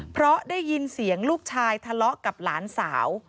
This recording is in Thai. เพราะได้ยินเสียงลูกชายทะเลาะกับหลานสาว